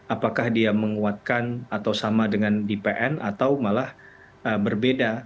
apakah dia menguatkan atau sama dengan di pn atau malah berbeda